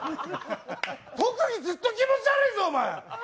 特技ずっと気持ち悪いぞお前！